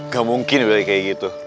gak mungkin boleh kayak gitu